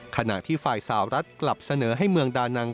ขณะที่ฝ่ายสาวรัฐกลับเสนอให้เมืองดานัง